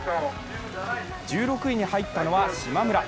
１６位に入ったのは、しまむら。